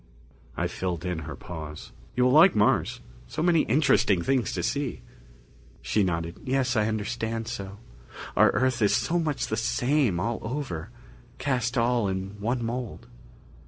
I filled in her pause. "You will like Mars. So many interesting things to see." She nodded. "Yes, I understand so. Our Earth is so much the same all over, cast all in one mould."